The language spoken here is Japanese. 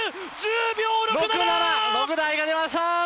６台が出ました！